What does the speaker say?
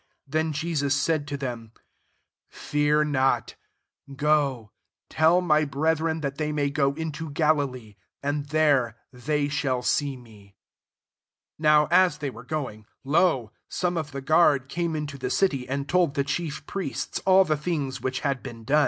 10 Then Jesus said to them, *< Fear not: go, tell my brethren that they may go into Galilee ; and there they shall see me." 11 NOW, as they were going, lo! some of the guard came into the city, and told the chief priests all the things which had been done.